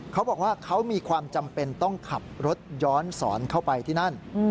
เขาบอกว่าเขามีความจำเป็นต้องขับรถย้อนสอนเข้าไปที่นั่น